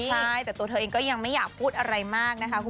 ใช่แต่ตัวเธอเองก็ยังไม่อยากพูดอะไรมากนะคะ